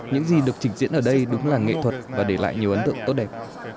những gì được trình diễn ở đây đúng là nghệ thuật và để lại nhiều ấn tượng tốt đẹp